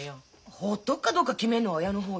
ほっとくかどうか決めるのは親の方よ。